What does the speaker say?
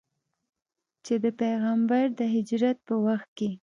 چې د پیغمبر د هجرت په وخت کې.